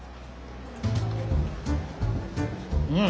うん！